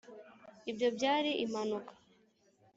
ibyo byari impanuka